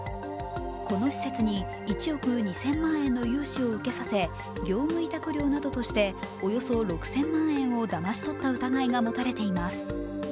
この施設に１億２０００万円の融資を受けさせ業務委託料としておよそ６０００万円をだまし取った疑いが持たれています。